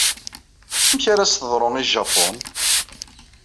Amek ara as-teḍru i Japun?